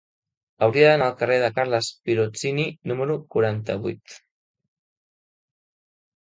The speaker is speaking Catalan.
Hauria d'anar al carrer de Carles Pirozzini número quaranta-vuit.